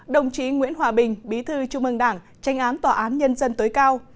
đồng chí nguyễn hòa bình bí thư trung ương đảng tranh án tòa án nhân dân tối cao